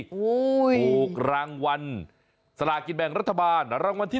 ถูกรางวัลสลากินแบ่งรัฐบาลรางวัลที่๑